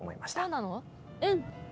うん。